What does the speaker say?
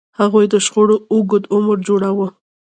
هغوی د شخړو اوږد عمر جوړاوه.